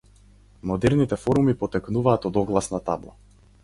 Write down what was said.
Модерните форуми потекнуваат од огласна табла.